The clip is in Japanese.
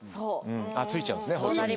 ついちゃうんですね包丁に。